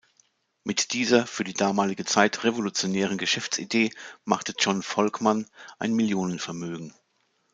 Mit dieser für die damalige Zeit revolutionären Geschäftsidee machte John Volkmann ein Millionenvermögen.